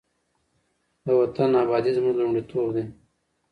د وطن ابادي زموږ لومړیتوب دی.